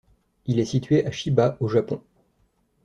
Il est situé à Chiba au Japon.